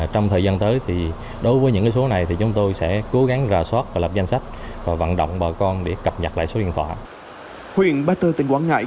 trong thời gian tới thì đối với những số này thì chúng tôi sẽ cố gắng rà soát và lập danh sách và vận động bà con để cập nhật lại số điện thoại